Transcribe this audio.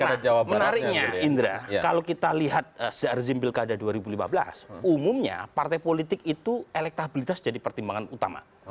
nah menariknya indra kalau kita lihat rezim pilkada dua ribu lima belas umumnya partai politik itu elektabilitas jadi pertimbangan utama